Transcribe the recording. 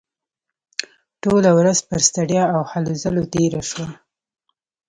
ټوله ورځ پر ستړیا او هلو ځلو تېره شوه